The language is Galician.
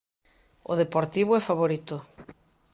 O Deportivo é favorito.